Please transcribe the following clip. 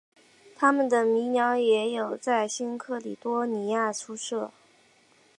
它们的迷鸟也有在新喀里多尼亚出没。